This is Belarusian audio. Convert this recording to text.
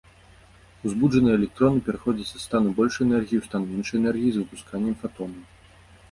Узбуджаныя электроны пераходзяць са стану большай энергіі ў стан меншай энергіі з выпусканнем фатонаў.